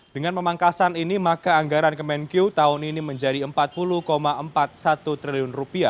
dengan pemangkasan ini maka anggaran kemenkyu tahun ini menjadi rp empat puluh empat puluh satu triliun